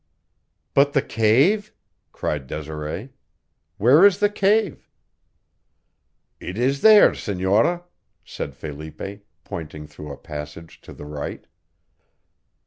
"But the cave?" cried Desiree. "Where is the cave?" "It is there, senora," said Felipe, pointing through a passage to the right.